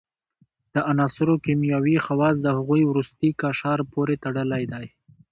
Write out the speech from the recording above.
د عناصرو کیمیاوي خواص د هغوي وروستي قشر پورې تړلی دی.